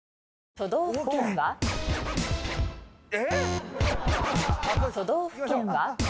都道府県は？